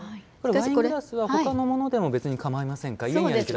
ワイングラスは他のものでもかまいませんか？